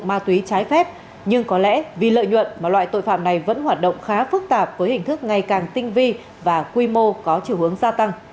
ma túy trái phép nhưng có lẽ vì lợi nhuận mà loại tội phạm này vẫn hoạt động khá phức tạp với hình thức ngày càng tinh vi và quy mô có chiều hướng gia tăng